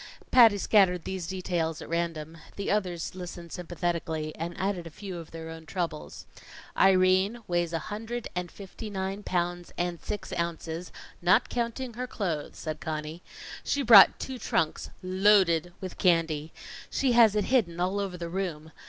Patty scattered these details at random. The others listened sympathetically, and added a few of their own troubles. "Irene weighs a hundred and fifty nine pounds and six ounces, not counting her clothes," said Conny. "She brought two trunks loaded with candy. She has it hidden all over the room.